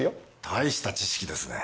大した知識ですね。